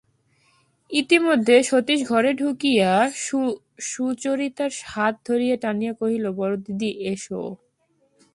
ইতিমধ্যে সতীশ ঘরে ঢুকিয়া সুচরিতার হাত ধরিয়া টানিয়া কহিল, বড়দিদি, এসো।